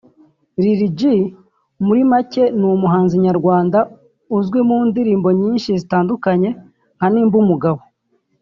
Lil G muri make ni umuhanzi nyarwanda uzwi mu ndirimbo nyinshi zitandukanye nka Nimba umugabo